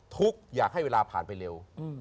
ทุกข์อยากให้เวลาผ่านไปเร็ว